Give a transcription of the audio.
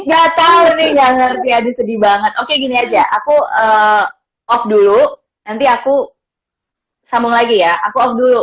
kata kata yang ngerti ada sedih banget oke gini aja aku off dulu nanti aku sama lagi ya aku dulu